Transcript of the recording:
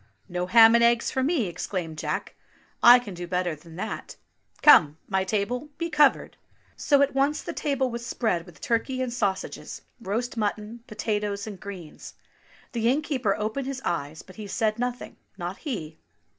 "No ham and eggs for me!" exclaimed Jack. "I can do better than that. — Come, my table, be covered !" So at once the table was spread with turkey and sausages, roast mutton, potatoes, and greens. The innkeeper opened his eyes, but he said nothing, not he